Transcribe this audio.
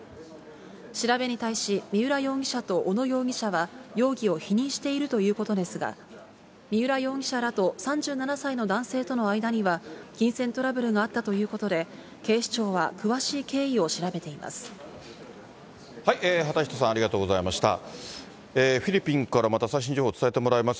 調べに対し、三浦容疑者と小野容疑者は、容疑を否認しているということですが、三浦容疑者らと３７歳の男性との間には、金銭トラブルがあったということで、警視庁は詳しい経緯を調べています。